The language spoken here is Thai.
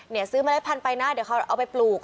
ซื้อเมล็ดพันธุไปนะเดี๋ยวเขาเอาไปปลูก